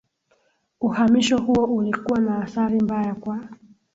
Uhamisho huo ulikuwa na athari mbaya kwa